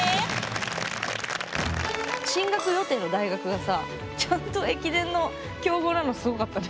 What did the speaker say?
進学予定の大学がさちゃんと駅伝の強豪なのすごかったね。